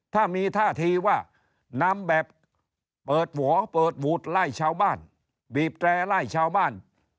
ถ้ามีท่าทีว่านำแบบเปิดหวอเปิดหวูดไล่ชาวบ้านบีบแตร่ไล่ชาวบ้าน